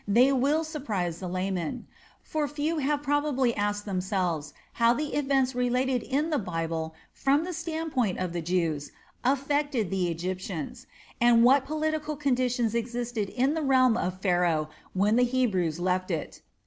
They will surprise the laymen; for few have probably asked themselves how the events related in the Bible from the standpoint of the Jews affected the Egyptians, and what political conditions existed in the realm of Pharaoh when the Hebrews left it.